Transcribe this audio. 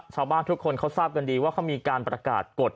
ชาวบ้านทุกคนเขาทราบกันดีว่าเขามีการประกาศกฎ